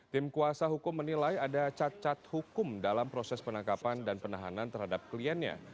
tim kuasa hukum menilai ada cacat hukum dalam proses penangkapan dan penahanan terhadap kliennya